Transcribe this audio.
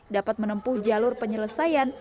dapat menempuh jalur penyelesaian